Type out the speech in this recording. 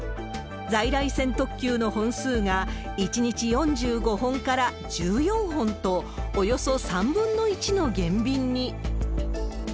在来線特急の本数が、１日４５本から１４本と、およそ３分の１の減便に。